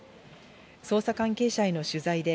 捜査関係者への取材で、